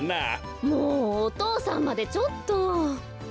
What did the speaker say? ・もうお父さんまでちょっと。